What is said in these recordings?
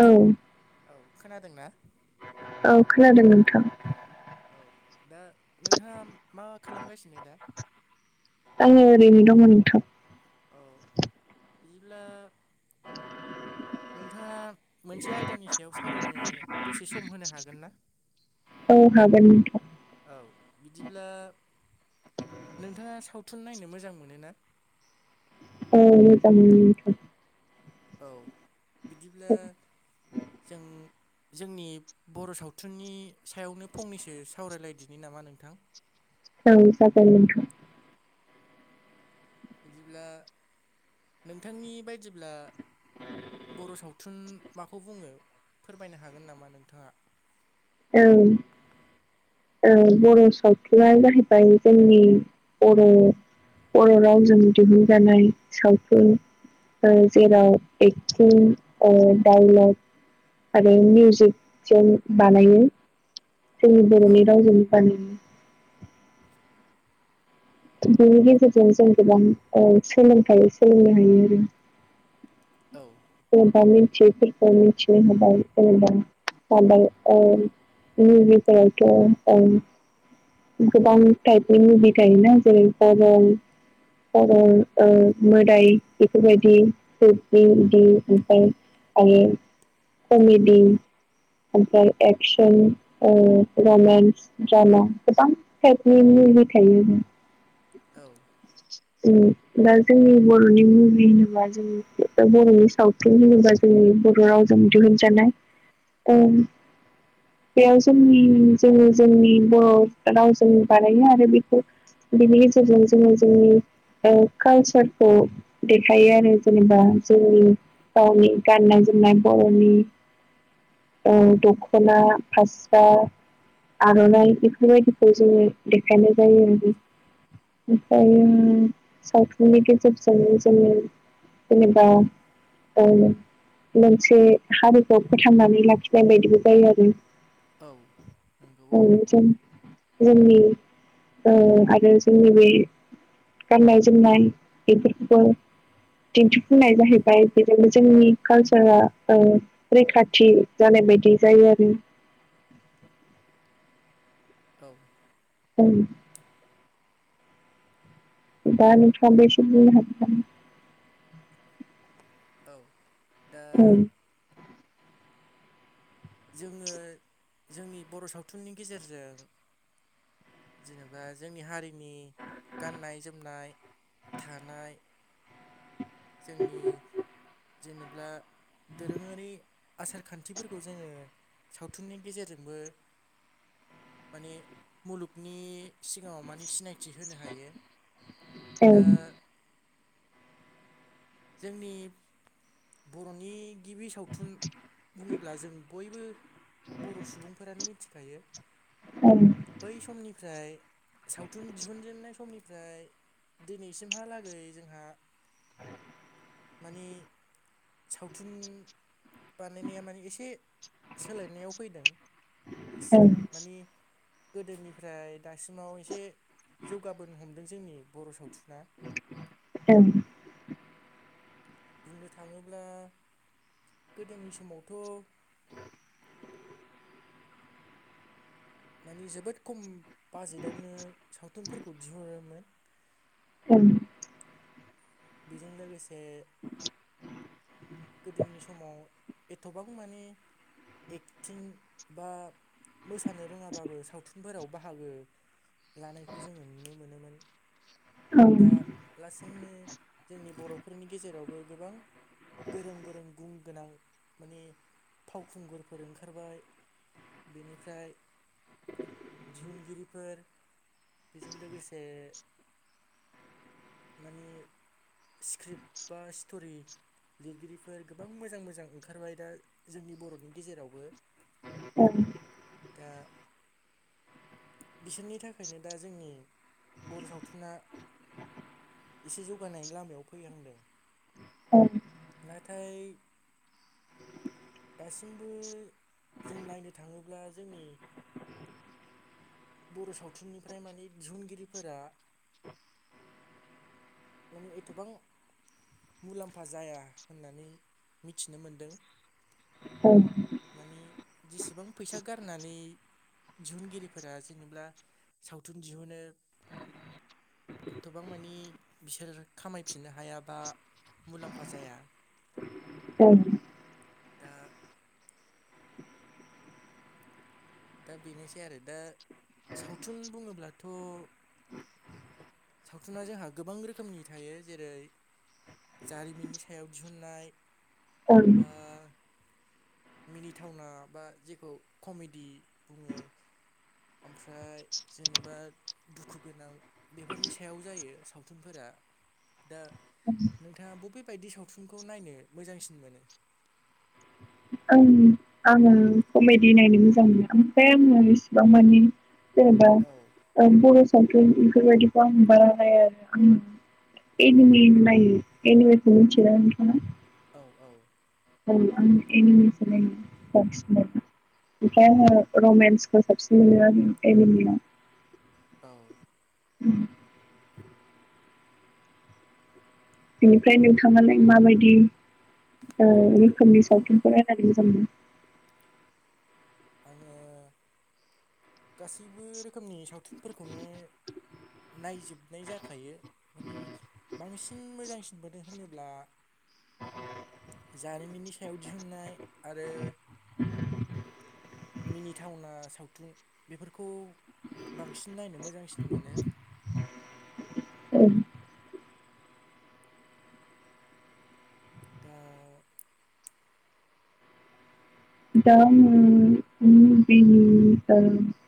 औ औ खोनादों ना औ खोनादों नोंथां औ दा नोंथाङा मा खालामगासिनो दा आङो ओरैनो दङ' नोंथां औ बिदिब्ला नोंथाङा मोनसे आयदानि सायाव सावरायनो दसे सम होनो हागोन ना औ हागोन नोंथां औ बिदिब्ला नोंथाङा सावथुन नायनो मोजां मोनो ना औ मोजां मोनो नोंथां औ बिदिब्ला जों जोंनि बर' सावथुननि सायावनो फंनैसो सावरायलायदिनि नामा नोंथां औ जागोन दे नोंथां बिदिब्ला नोंथांनि बायदिब्ला बर' सावथुन माखौ बुङो फोरमायनो हागोन नामा नोंथाङा? औ बर' सावथुनानो जाहैबाय जोंनि बर' बर' रावजों दिहुनजानाय सावथुन आ जेराव एकटिं डाइलग आरो मिउजिक जों बानायो जोंनि बर'नि रावजोंनो बानायो [unintelligible] [inaudible] बिनि गेजेरजों जों गोबां सोलोंथाय सोलोंनो हायो आरो औ जेनेबा मिथियि फोरखौ‌ मिथिनो हाबाय जेनेबा [unintelligible] बेफोरावथ' गोबां टाइप गायोना जेरै गरम [unintelligible] आरो मोदाय बेफोरबायदि बिदि ओमफ्राय आरो औ कमिदि ओफ्राय एकसन रामानस ड्रामा गोबां टाइपनि मुभि थायो औ दा जोंनि बर'नि मुभि होनोबा जों बर'नि सावथुन होनोबा जोंनि बर'रावजों दिहुनजानाय बेयाव जोंनि जोङो जोंनि बर' रावजों बानायो आरो बेखौ बिनि गेजेरजों जोङो जोंनि कालसारखौ देखायो आरो जेनेबा जोंनि गावनि गाननाय जोमनाय बर'नि दखना फास्रा आर'नाइ बेफोर बेफोरबायदिखौ जोङो देखायनाय जायो आरो आरो सावथुननि गेजेरजोंनो जोंड़ो जेनेबा औ मोनसे हारिखौ फोथांनानै लाखिनाय बायदिबो जायो आरो औ नंगौ औ जों जोंनि ओ आरो जोंनि बै गाननाय जोमनाय बेफोरखौबो दिन्थिफुंनाय जाहैबाय बेजोंनो जोंनि कालसारा ओ रैखाथि जानाय बायदि जायो आरो औ औ बा नुस्लाबै एसे बुंनो हागोन नामा? औ दा ओं जोङो जोंनि बर' सावथुननि गेजेरजों जेनेबा जोंनि हारिनि गाननाय जोमनाय थानाय [inaudible] जोंनि जेनब्ला दोरोङारि आसार खान्थिफोरखौ जोङो सावथुननि गेजेरजोंबो माने मुलुगनि सिगाङाव मानि सिनाय थि होनो हायो दा ओं जोंनि बर'नि गिबि सावथुन होनब्ला जों बयबो बर' सुबुंफोरानो मिथिखायो औ बै समनिफ्राय सावथुन दिहुनजेननाय समनिफ्राय दिनैसिमहालागै जोंहा माने सावथुन बानायनाया माने एसे सोलायनायाव फैदों एस ओं ओं माने गोदोनिफ्राय दासिमाव एसे जौगाबोनो हमदों जोंनि बर' सावथुना ओं बुंनो थाङोब्ला गोदोनि समावथ' माने जोबोद खम बाजेटावनो सावथुनफोरखौ दिहुनोमोन ओं बेजों लोगोसे गोदोनि समाव एथ'बां माने एक्टिं बा मोसानो रोङाबाबो सावथुनफोराव बाहागो लानायखौ जोङो नुनो मोनोमोन ओं दा लासैनो जोंनि बर'फोरनि गेजेरावबो गोबां गोरों गोरों गुन गोनां माने फावखुंगुरफोर ओंखारबाय बेनिफ्राय दिहुनगिरिफोर बेजों लोगोसे माने स्क्रिप्ट बा स्ट'रि लिरगिरिफोर गोबां मोजां मोजां ओंखारबाय दा जोंनि बर'नि गेजेरावबो ओं दा बिसोरनि थाखायनो दा जोंनि बर' सावथुना एसे जौगानायनि लामायाव फैहांदों ओं नाथाय दासिमबो जों नायनो थाङोब्ला जोंनि बर' सावथुननिफ्राय माने दिहुनगिरिफोरा माने एथ'बां मुलाम्फा जाया होननानै मिथिनो मोनदों ओं माने जेसेबां फैसा गारनानै दिहुनगिरि फोरा जेनेबा सावथुन दिहुनो एथबां मानि बिसोर खामायफिननो हायाबा मुलाम्फा जाया औ दा दा बेनोसै आरो दा सावथुन बुङोब्लाथ सावथुना जोंहा गोबां रोखोमनि थायो जेरै जारिमिननि सायाव दिहुननाय ओं बा मिनिथावना बा जेखौ कमेडि बुङो ओमफ्राय जेनेबा दुखु गोनां बेफोरनि सायाव जायो सावथुनफोरा दा नोंथाङा बबे बायदि सावथुनखौ नायनो मोजांसिन मोनो आं आङो कमेडि नायनो मोजां मोनो ओमफ्राय आङो बेसिबां माने जेनेबा औ बर' ओ सावथुन बेफोरबायदिखौ आं बानायनाय आरो औ एनिमि नायो एनिमिखौ मोनथियोना नोंथाङा औ औ औ‌ आं एनिमिसो नायो‌ बांसिनानो ओमफ्राय आो रमेन्सखौ साबसिन मोनो आरो एनिमियाव औ उम बेनिफ्राय नोंथाङालाय माबायदि रोखोमनि औ सावथुनखौ नायनानै मोजां मोनो आङो गासैबो रोखोमनि सावथुनफोरखौनो नायजोबनाय जाखायो माने बांसिन मोजांसिन मोनो होनोब्ला जारिमिननि सायाव दिहुननाय आरो [inaudible] मिनिथावना सावथुन बेफोरखौ बांसिन नायनो मोजांसिन मोनो औ दा दा आङो [unintelligible]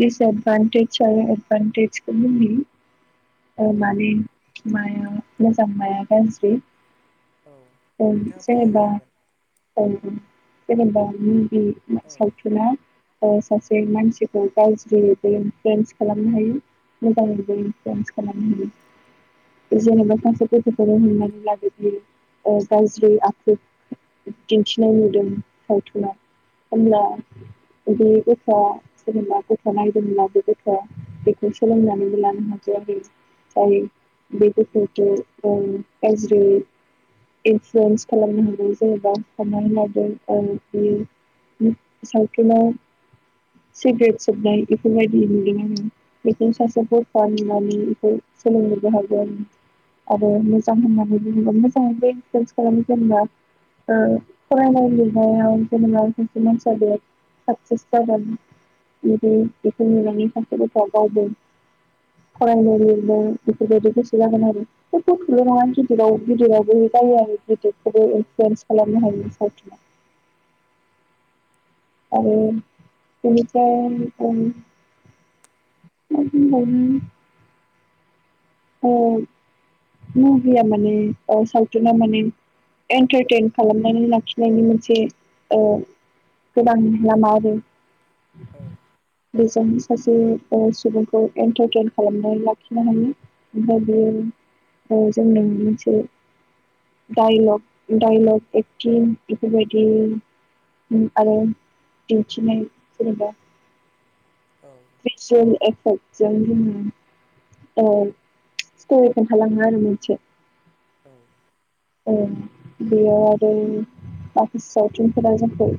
दिसएडवटेेज आरो एडभानतेज खौ [unintelligible] औ माने माया मोजां माया गाज्रि औ औ नोंथाङा फोरमायनो जेनेबा हागोन औ जेनेबा हिन्दी औ सावथुन सासे मानसिखौ ज्रियैबो इनफ्लुयेन्स खालामनो हायो मोजाङैबो इनफ्लुइन्जा खालामनो हायो जनेबा [unintelligible] हमनानै ला बिदि गाज्रि आखु दिन्थिनाय नुदों सावथुना होमब्ला बे गथ'आ जेनेबा गथ'आ नायदोंमोनना बे गथ'आ बेखौ सोलोंनानैबो लानो हायो आरो [unintelligible] गाज्रियै इनफ्लुयेन्स खालामनो हागौ जेनेबा साननानै लादों सावथुन सिग्रेट सोबनाय बेफोरबायदि [unintelligible] बेखौ सासे गथ'आ नुनानै सोलोंनोबो हागौ आरो आरो मोजां होननानै बुङोब्ला मोजाङानो इनफ्लुइन्ज खालामनो रोङोबा ओ फरायनायनि [unintelligible] सासे मानसिया साक्सेस जागोन जचदि बेखौ नुनानै सासे गथ'आ गावबो फरायनाय लिरनाय बेफोरबायदि गोसो जागोन आरो बेथ' थल नङा गिदिराव गिदिरावबो जाय आङ गिदिरखौबो औ इनफ्लुयेन्स खालामनो हायो सावथ आरो बेनिफ्राय [unintelligible] [unintelligible] अ न गैया माने अ सावथुना माने एन्टारटेन खालामनानै लाखिनायनि मोनसे औ [unintelligible] बेजों सासे सुबुंखौ एन्टारटेन खालामनानै लाखिनो हायो ओमा बे जोंनो मोनसे डाइलग डाइलग एक्टिं बेफोरबायदि आरो दिन्थिनाय जेनेबा औ [unintelligible] औ स्ट'रि खोन्थालाङो आरो मोनसे औ औ बेयाव आरो माखासे सावथुनफोरा जोंखौ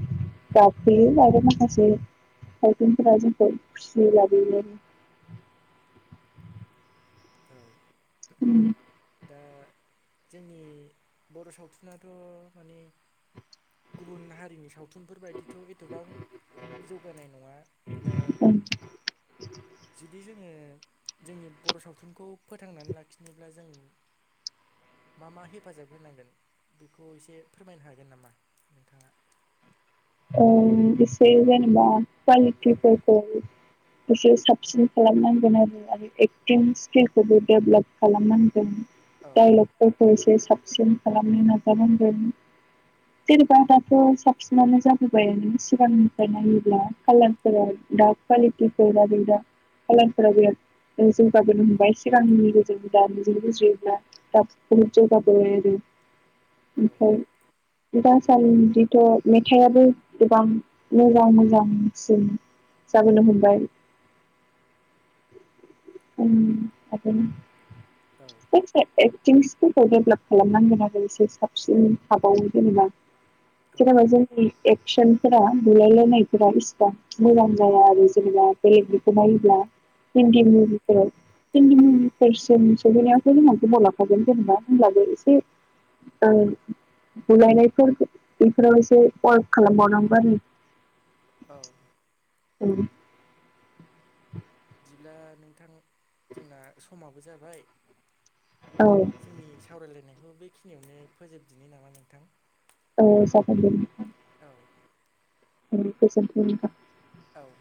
गाबहोयो माखासे सावथुनफोरा जोंखौ फिसिनो लाबोयो औ उम दा जोंनि बर' सावथुनाथ' माने गुबुन हारिनि सावथुन थुनफोरबायायदिथ' एथबां जौगानाय नङा दा आरो जुदि जोङो जोंनि बर' सावथुनखौ फोथांनानै लाखिनोब्ला जों मा मा हेफाजाब होनांगोन बेखौ एसे फोरमायनो हागोन नामा नोंथाङा औ [unintelligible] एसे साबसिन खालामनांगोन आरो आरो एक्टिं स्किलखौबो डेभलप खालामनांगोन औ डायलगफोरखौ एसे साबसिन खालामनो नाजानांगोन जेनेबा दाथ' साबसिनानो जा होबायानो सिगांनिफ्राय नायोब्ला कालारफोरा दा कुवालिटिफोर [unintelligible] खाालारफोराबो जौगाबोनो हमबाय सिगांनि गोजौ दा मिजि बुजियोब्ला [unintelligible] ओमफ्राय दासानदिथ' मेथायाबो गोबां मोजां मोजांसिन जाबोनो हमबाय [unintelligible] औ एक्टिं स्कुलखौ डेभलप खालामनांगोन आरो जसे साबसिन हाबावनो जेनेबा औ जेनेबा जोंनि एकसनफोरा बुलायलायनायफोरा बेसिबां मोजां जाया आरो जेनेबा बेलेग बेखौ नायोब्ला औ हिनदि मबिफोराव [unintelligible] जेनेबा होमब्लाबो एसे ओ बुलायनायफोर एफोराव एसे फलभ खालामबावनांगौ आरो औ औ बिदिब्ला नोंथां जोंना समाबो जाबाय औ जोंनि सावरायलायनायखौ बेखिनियावनो फोजोबदिनो नामा नोंथां औ जागोन दे नोंथां औ औ गोजोन्थों नोंथां औ